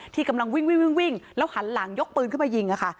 ที่กำลังวิ่งวิ่งวิ่งแล้วหันหลังยกปืนขึ้นไปยิงอ่ะค่ะ